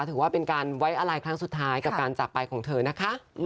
ถือว่าเป็นการไว้อะไรครั้งสุดท้ายกับการจากไปของเธอนะคะ